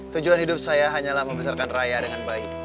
tujuan hidup saya hanyalah membesarkan raya dengan baik